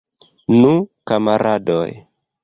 Nu, kamaradoj!